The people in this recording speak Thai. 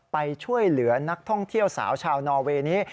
ไปช่วยเหลือนักท่องเที่ยวสาวชาวนอเวย์นี้